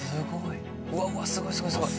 うわうわすごいすごいすごい。